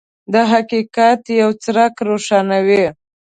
د حقیقت یو څرک روښانوي.